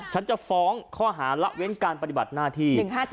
ฉันจะฟ้องข้อหาละเว้นการปฏิบัติหน้าที่